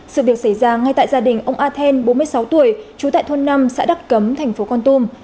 sự việc xảy ra ngay tại gia đình ông athen bốn mươi sáu tuổi chú tại thôn năm xã đắc cấm thành phố con tum